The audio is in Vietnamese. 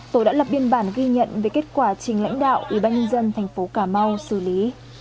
tổ đã lập biên bản ghi nhận về kết quả trình lãnh đạo ủy ban nhân dân thành phố cà mau xử lý